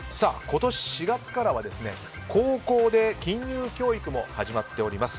今年４月からは高校で、金融教育も始まっております。